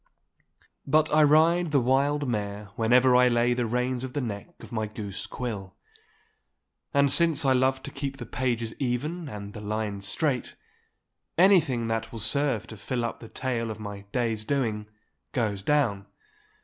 But I ride the wild mare whenever I lay the reins on the neck of my goose quill. And since I love to keep the pages even and the lines straight, anything that will serve to fill up the tale of my day's doing goes down.